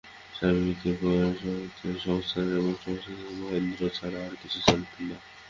স্বামীর মৃত্যুর পর হইতে সংসারে এবং সমাজে তিনি মহেন্দ্র ছাড়া আর কিছুই জানিতেন না।